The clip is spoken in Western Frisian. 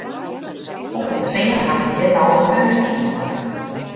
Op it Fean ha we hjir no in keunstiisbaan.